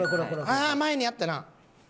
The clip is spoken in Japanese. ああ前にあったな。